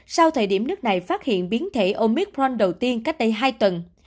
sau thời điểm nước này phát hiện biến thể omicron đầu tiên cách đây hai tuần